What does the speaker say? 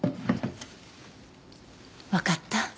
わかった？